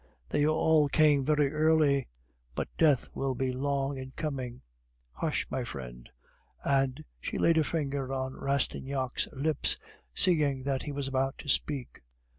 "They all came very early; but death will be long in coming. Hush! my friend," and she laid a finger on Rastignac's lips, seeing that he was about to speak.